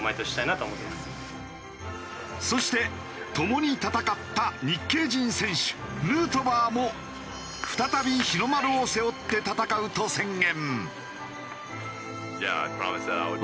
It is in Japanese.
そして共に戦った日系人選手ヌートバーも再び日の丸を背負って戦うと宣言。